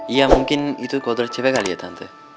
iya mungkin itu kodra cewek kali ya tante